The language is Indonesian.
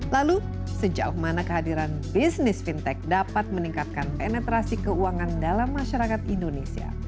lalu sejauh mana kehadiran bisnis fintech dapat meningkatkan penetrasi keuangan dalam masyarakat indonesia